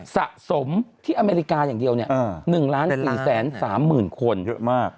สะสมที่อเมริกาอย่างเดียว๑ล้าน๔แสน๓หมื่นคนเยอะมาก